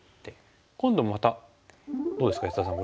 今度またどうですか安田さん